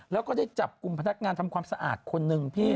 แล้วก็ได้จับกลุ่มพนักงานทำความสะอาดคนหนึ่งพี่